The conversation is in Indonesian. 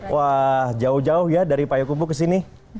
wah jauh jauh ya dari payakumbu ke sini